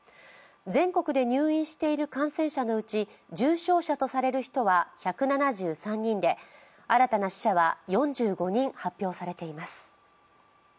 全国で入院している感染者のうち重症者とされる人は１７３人で新たな死者は４５人発表されています。